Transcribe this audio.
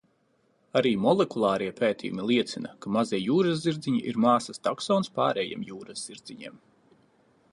Arī molekulārie pētījumi liecina, ka mazie jūraszirdziņi ir māsas taksons pārējiem jūraszirdziņiem.